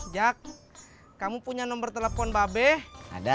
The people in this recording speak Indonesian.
jak kamu punya nomor telepon babe ada